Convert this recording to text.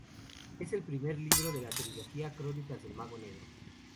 Es el primer libro de la trilogía Crónicas del mago negro.